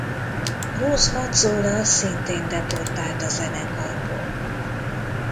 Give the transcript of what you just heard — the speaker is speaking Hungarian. Rose Mazzola szintén deportált a zenekarból.